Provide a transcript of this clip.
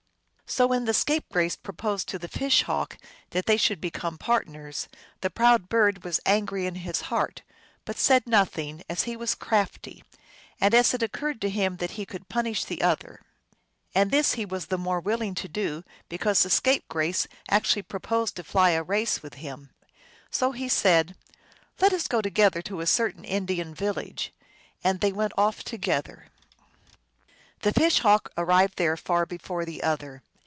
So when the Scapegrace proposed to the Fish Hawk that they should become partners the proud bird was angry in his heart, but said nothing, as he was crafty, and as it occurred to him that he could punish the other ; and this he was the more willing to do because the Scapegrace actually proposed to fly a race with him ! So he said, " Let us go together to a certain Indian village." And they went off to gether. The Fish Hawk arrived there far before the other.